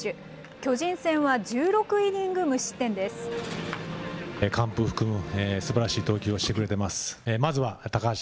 巨人戦は１６イニング無失点です。